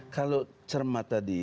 kalau cermat tadi